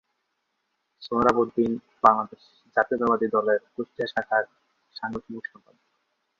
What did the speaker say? সোহরাব উদ্দিন বাংলাদেশ জাতীয়তাবাদী দলের কুষ্টিয়া জেলা শাখার সাংগঠনিক সম্পাদক।